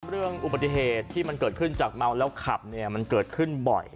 เรื่องอุบัติเหตุที่มันเกิดขึ้นจากเมาแล้วขับเนี่ยมันเกิดขึ้นบ่อย